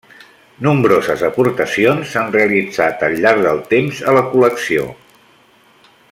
Nombroses aportacions s'han realitzat al llarg del temps a la col·lecció.